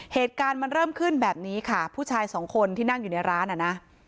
เหตุการณ์มันเริ่มขึ้นแบบนี้ค่ะผู้ชายสองคนที่นั่งอยู่ในร้านอ่ะนะ